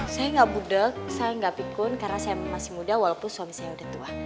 saya nggak budeg saya nggak pikun karena saya masih muda walaupun suami saya udah tua